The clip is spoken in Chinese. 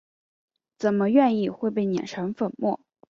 怎么愿意会被碾成粉末？